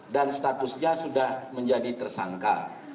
dan statusnya sudah menjadi tersangka